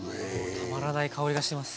たまらない香りがしてます。